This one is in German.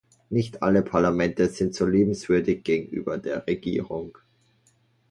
Nicht alle Parlamente sind so liebenswürdig gegenüber der Regierung.